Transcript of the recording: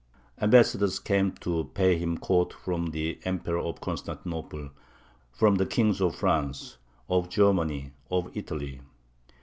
Ambassadors came to pay him court from the Emperor of Constantinople, from the kings of France, of Germany, of Italy.